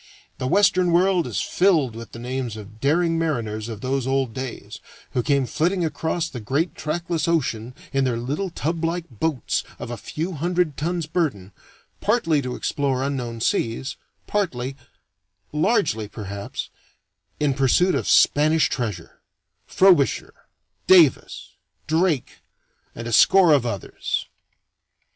The Western World is filled with the names of daring mariners of those old days, who came flitting across the great trackless ocean in their little tublike boats of a few hundred tons burden, partly to explore unknown seas, partly largely, perhaps in pursuit of Spanish treasure: Frobisher, Davis, Drake, and a score of others.